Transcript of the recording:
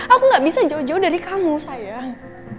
aku gak bisa jauh jauh dari kamu sayang